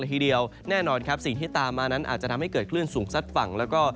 ให้เดียวแน่นอนครับสิทธิตาม็อันนั้นอาจจะทำให้เกิดขึ้นสูงซัดฝั่งแล้วก็